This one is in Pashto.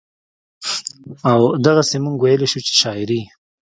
او دغسې مونږ وئيلے شو چې شاعري